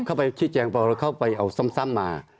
เข้าไปชิดแจงเข้าไปเอาซ่ำมา